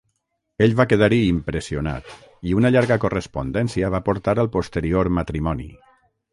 Ell va quedar-hi impressionat, i una llarga correspondència va portar al posterior matrimoni.